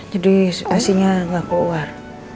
jadi asingnya gak keluar